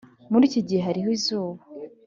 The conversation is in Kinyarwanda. muri iki gihe hariho izuba.